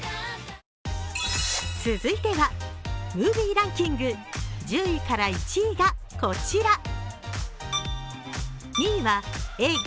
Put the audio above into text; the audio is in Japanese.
続いてはムービーランキング、１０位から１位がこちら。